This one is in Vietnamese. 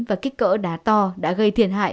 và kích cỡ đá to đã gây thiệt hại